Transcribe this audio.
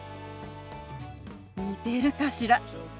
似てるかしら？